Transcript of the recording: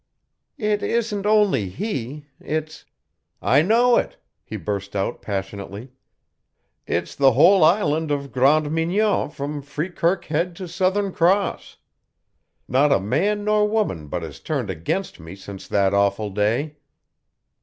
"It isn't only he, it's " "I know it!" he burst out passionately. "It's the whole island of Grande Mignon from Freekirk Head to Southern Cross. Not a man nor woman but has turned against me since that awful day.